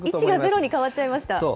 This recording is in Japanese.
１が０に変わっちゃいました？